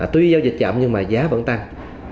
tuy giao dịch chậm nhưng mà giá vẫn tăng